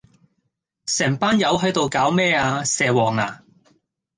成班友喺度搞咩呀？蛇王呀？